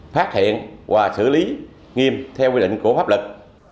phát hiện và xử lý nghiêm theo quy định của pháp lực